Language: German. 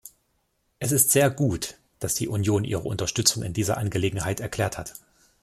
Es ist sehr gut, dass die Union ihre Unterstützung in dieser Angelegenheit erklärt hat.